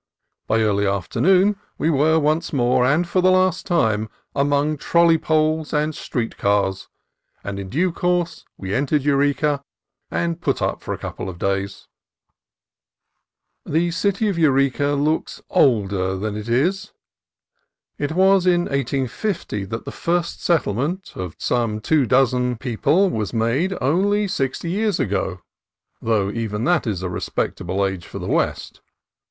By early afternoon we were once more, and for the last time, among trolley poles and street cars, and in due course we entered Eureka and put up for a couple of days. The city of Eureka looks older than it is. It was in 1850 that the first settlement, of some two dozen 296 CALIFORNIA COAST TRAILS people, was made, only sixty years ago (though even that is a respectable age for the West).